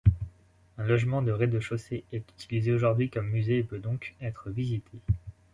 Un logement de rez-de-chaussée est utilisé aujourd'hui comme musée et peut donc être visité.